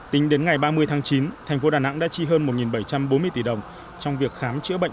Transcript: tính đến ngày ba mươi tháng chín thành phố đà nẵng đã chi hơn một bảy trăm bốn mươi tỷ đồng trong việc khám chữa bệnh